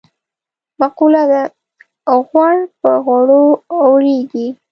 مقوله ده: غوړ په غوړو اورېږي.